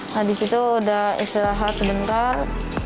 nah di situ udah istirahat sebentar